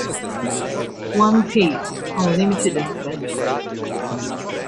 One Piece: Unlimited Adventure